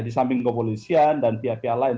di samping kepolisian dan pihak pihak lain